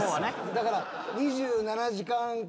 だから。